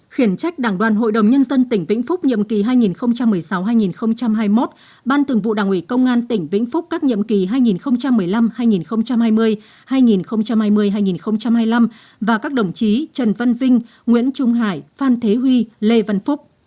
khiển trách đảng đoàn hội đồng nhân dân tỉnh vĩnh phúc nhiệm kỳ hai nghìn một mươi sáu hai nghìn hai mươi một ban thường vụ đảng ủy công an tỉnh vĩnh phúc các nhiệm kỳ hai nghìn một mươi năm hai nghìn hai mươi hai nghìn hai mươi hai nghìn hai mươi năm và các đồng chí trần văn vinh nguyễn trung hải phan thế huy lê văn phúc